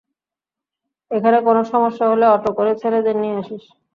এখানে কোন সমস্যা হলে অটো করে ছেলেদের নিয়ে আসিস।